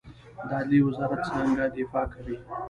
د عدلیې وزارت څنګه دفاع کوي؟